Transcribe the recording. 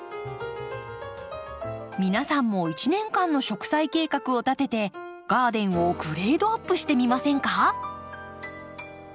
皆さんも一年間の植栽計画を立ててガーデンをグレードアップしてみませんか？